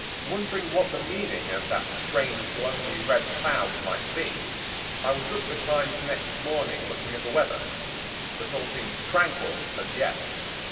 Wondering what the meaning of that strange, lonely red cloud might be, I was up betimes next morning looking at the weather, but all seemed tranquil as yet.